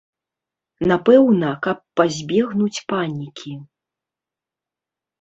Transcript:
Напэўна, каб пазбегнуць панікі.